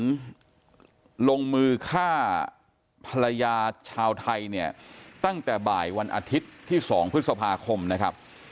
ลงมือฆ่าภรรยาชาวไทยเนี่ยตั้งแต่บ่ายวันอาทิตย์ที่๒พฤษภาคมนะครับ